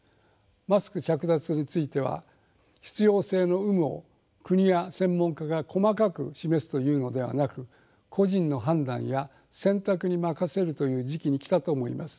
マスク着脱については必要性の有無を国や専門家が細かく示すというのではなく個人の判断や選択に任せるという時期に来たと思います。